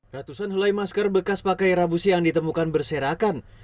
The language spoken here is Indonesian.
ratusan hulai masker bekas pakai rabusi yang ditemukan berserakan